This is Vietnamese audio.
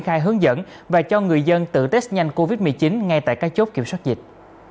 khai hướng dẫn và cho người dân tự test nhanh covid một mươi chín ngay tại các chốt kiểm soát dịch